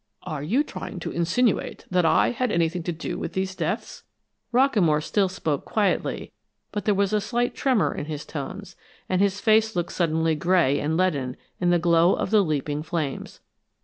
"Are you trying to insinuate that I had anything to do with these deaths?" Rockamore still spoke quietly, but there was a slight tremor in his tones, and his face looked suddenly gray and leaden in the glow of the leaping flames.